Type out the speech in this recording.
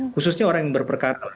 khususnya orang yang berperkara